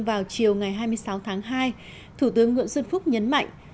vào chiều ngày hai mươi sáu tháng hai thủ tướng nguyễn xuân phúc nhấn mạnh